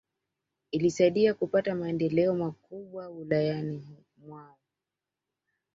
Ilisaidia kupata maendeleo makubwa Wilayani mwao